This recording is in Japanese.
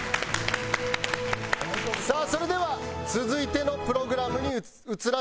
さあそれでは続いてのプログラムに。